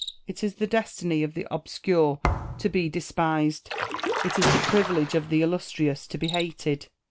It is the destiny of the obscure to be de spised ; it is the privilege of the illustrious to be hated.